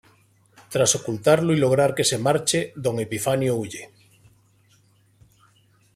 Tras ocultarlo y lograr que se marche, Don Epifanio huye.